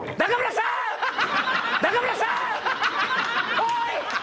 おい！